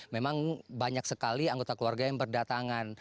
memang banyak sekali anggota keluarga yang berdatangan